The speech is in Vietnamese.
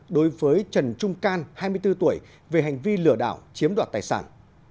đối với trần trung can hai mươi bốn tuổi về hành vi lừa đảo chiếm đoạt tài sản